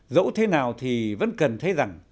dẫu thế nào thì vẫn cần thấy rằng